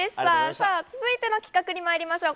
さあ続いての企画にまいりましょう。